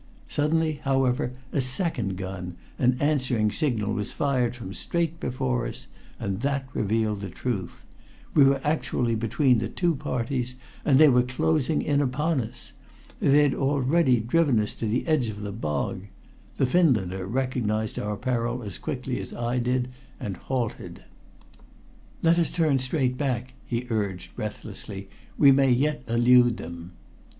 Suddenly, however, a second gun, an answering signal, was fired from straight before us, and that revealed the truth. We were actually between the two parties, and they were closing in upon us! They had already driven us to the edge of the bog. The Finlander recognized our peril as quickly as I did, and halted. "Let us turn straight back," he urged breathlessly. "We may yet elude them."